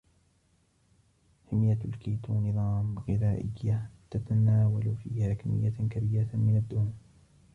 حمية الكيتو نظام غذائية تتناول فيه كمية كبيرة من الدهون